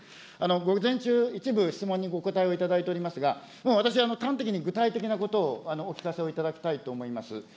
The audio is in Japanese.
午前中、一部質問にお答えいただいておりますが、もう私、端的に具体的なことをお聞かせをいただきたいと思います。